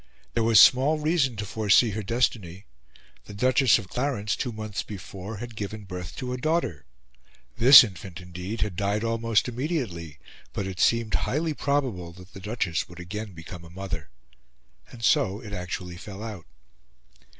There was small reason to foresee her destiny. The Duchess of Clarence, two months before, had given birth to a daughter, this infant, indeed, had died almost immediately; but it seemed highly probable that the Duchess would again become a mother; and so it actually fell out.